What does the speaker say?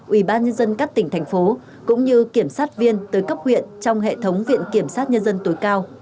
ủy ban nhân dân các tỉnh thành phố cũng như kiểm sát viên tới cấp huyện trong hệ thống viện kiểm sát nhân dân tối cao